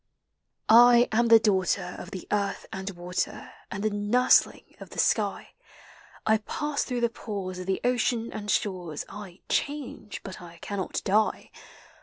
I am the daughter of the earth and water; And the nursling of Hie sk.\ ; I pass through the pores of the ocean and shore*; I change, but I cannot die.